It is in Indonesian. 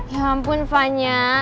ya ampun fanya